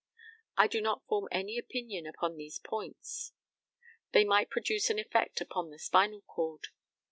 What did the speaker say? I do not form any opinion upon these points. They might produce an effect upon the spinal cord.